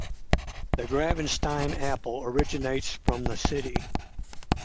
The Gravenstein apple originates from the city.